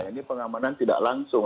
tni pengamanan tidak langsung